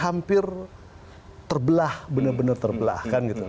hampir terbelah benar benar terbelah